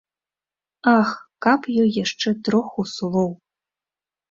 Ах, каб ёй яшчэ троху слоў.